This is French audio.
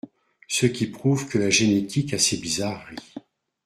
Ce qui prouve que la génétique a ses bizarreries.